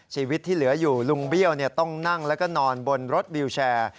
ชีวิตที่เหลืออยู่ลุงเบี้ยวต้องนั่งแล้วก็นอนบนรถวิวแชร์